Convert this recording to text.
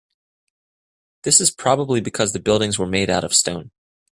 This is probably because the buildings were made out of stone.